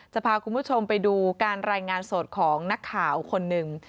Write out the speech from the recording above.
จะพาคุณผู้ชมไปดูการรายงานสดของนักข่าวคนหนึ่ง